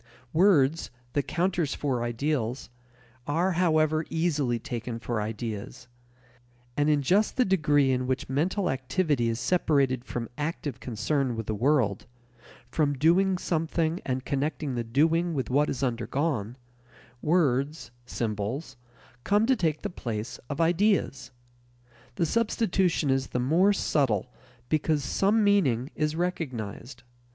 Words, the counters for ideals, are, however, easily taken for ideas. And in just the degree in which mental activity is separated from active concern with the world, from doing something and connecting the doing with what is undergone, words, symbols, come to take the place of ideas. The substitution is the more subtle because some meaning is recognized.